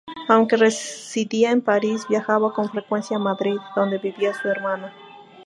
Aunque residía en París, viajaba con frecuencia a Madrid, donde vivía su hermana.